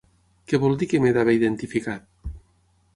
Que vol dir que m’he d’haver identificat?